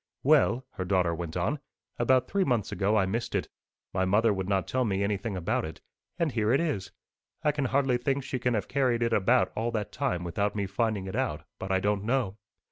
'Well,' her daughter went on, 'about three months ago, I missed it. My mother would not tell me anything about it. And here it is! I can hardly think she can have carried it about all that time without me finding it out, but I don't know.